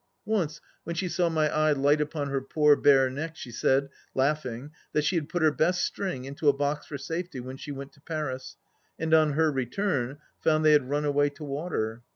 Once when she saw my eye light upon her poor bare neck, she said, laughing, that she had put her best string into a box for safety when she went to Paris, and on her return found they had run away to water.